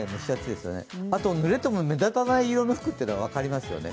あと、ぬれても目立たない色の服というのは分かりますよね。